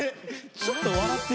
ちょっと笑ってる。